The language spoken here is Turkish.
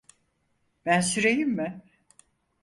Ben süreyim mi?